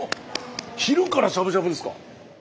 昼からしゃぶしゃぶですか？